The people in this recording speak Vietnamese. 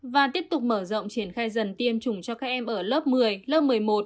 và tiếp tục mở rộng triển khai dần tiêm chủng cho các em ở lớp một mươi lớp một mươi một